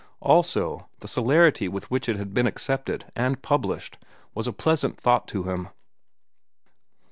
Also, the celerity with which it had been accepted and published was a pleasant thought to him.